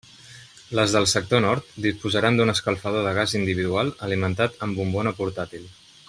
Les del sector nord disposaran d'un escalfador de gas individual alimentat amb bombona portàtil.